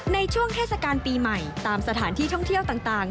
ในช่วงเทศกาลปีใหม่ตามสถานที่ท่องเที่ยวต่าง